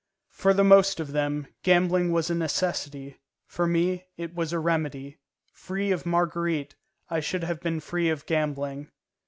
For the most of them, gambling was a necessity; for me, it was a remedy. Free of Marguerite, I should have been free of gambling.